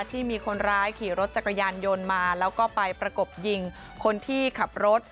ที่มีคนร้ายขี่รถจักรยานยนต์มาแล้วก็ไปประกบยิงคนที่ขับรถ